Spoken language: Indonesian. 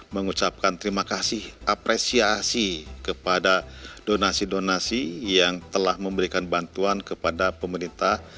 mengucapkan terima kasih apresiasi kepada donasi donasi yang telah memberikan bantuan kepada pemerintah